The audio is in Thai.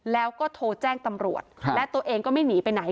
แล้วก็โทรแจ้งตำรวจและตัวเองก็ไม่หนีไปไหน